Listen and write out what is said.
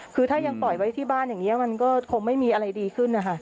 คือถ้ายังปล่อยไว้ที่บ้านอย่างนี้มันก็คงไม่มีอะไรดีขึ้นนะคะ